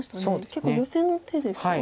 結構ヨセの手ですか？